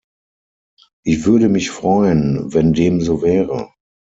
Ich würde mich freuen, wenn dem so wäre.